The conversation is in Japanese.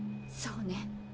そうね。